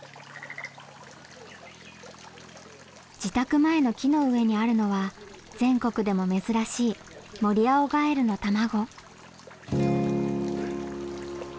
自宅前の木の上にあるのは全国でも珍しいモリアオガエルの卵。